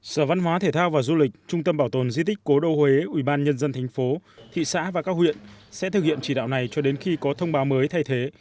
sở văn hóa thể thao và du lịch trung tâm bảo tồn di tích cố đô huế ubnd tp thị xã và các huyện sẽ thực hiện chỉ đạo này cho đến khi có thông báo mới thay thế